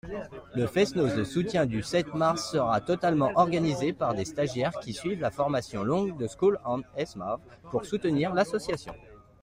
Le fest-noz de soutien du sept mars sera totalement organisé par des stagiaires qui suivent la formation longue de Skol an Emsav, pour soutenir l’association.